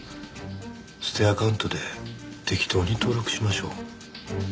捨てアカウントで適当に登録しましょう。